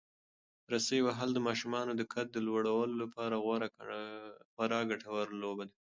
رسۍ وهل د ماشومانو د قد د لوړولو لپاره خورا ګټوره لوبه ده.